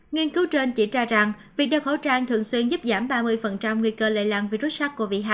nghiên cứu trên chỉ ra rằng việc đeo khẩu trang thường xuyên giúp giảm ba mươi nguy cơ lây lan virus sars cov hai